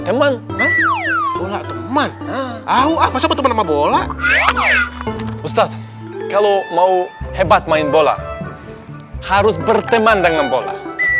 teman teman nah apa teman teman bola ustadz kalau mau hebat main bola harus berteman dengan bola